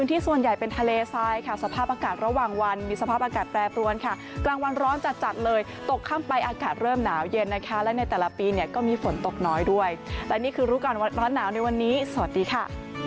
แต่ละปีเนี่ยก็มีฝนตกน้อยด้วยและนี่คือรู้กันวันร้อนหนาวในวันนี้สวัสดีค่ะ